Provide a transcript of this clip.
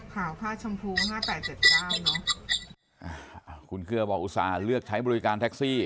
ขาวค่าชมพู๕๘๗๙คุณเครือบอกอุตส่าห์เลือกใช้บริการแท็กซี่